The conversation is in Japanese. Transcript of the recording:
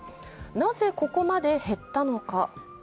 なぜここまで減ったのか。